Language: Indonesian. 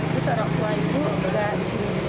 terus orang tua ibu juga di sini juga